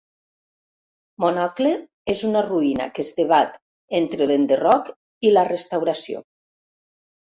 Monocle és una ruïna que es debat entre l'enderroc i la restauració.